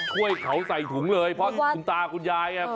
ช่วยเขาใส่ถุงเลยเพราะคุณตาคุณยาย